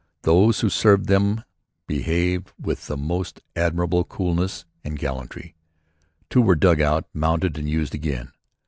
Those who served them behaved with the most admirable coolness and gallantry. Two were dug out, mounted and used again.